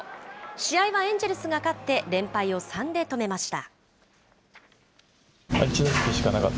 試合はエンジェルスが勝って、連敗を３で止めました。